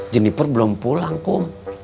jeniper belum pulang kum